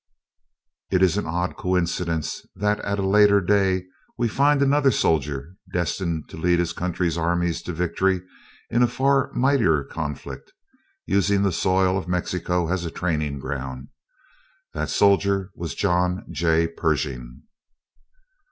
It is an odd coincidence, that at a later day we find another soldier destined to lead his country's armies to victory in a far mightier conflict using the soil of Mexico as a training ground. That soldier was John J. Pershing.